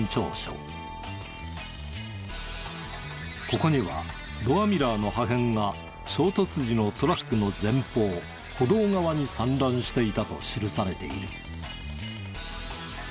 ここにはドアミラーの破片が衝突時のトラックの前方歩道側に散乱していたと記されている。